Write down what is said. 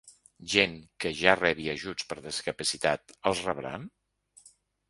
Gent que ja rebi ajuts per discapacitat, els rebran?